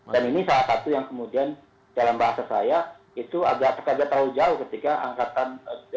dan ini salah satu yang kemudian dalam bahasa saya itu agak terlalu jauh ketika angkatan